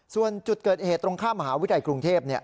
ส่วนจุดเกิดเหตุตรงข้ามมหาวิทยาลัยกรุงเทพ